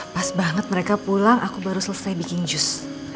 pas banget mereka pulang aku baru selesai bikin jus